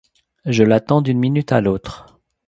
Je l'attends d'une minute à l'autre.